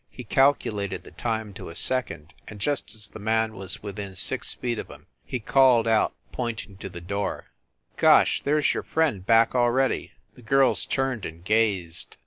He calculated the time to a second, and, just as the man was within six feet of him, he called out, pointing to the door : "Gosh! there s your friend back already!" The girls turned and gazed.